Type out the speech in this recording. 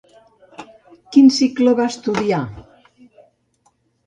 Quin cicle va estudiar?